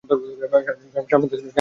সামনে থেকে সরো, বিড়ালছানা।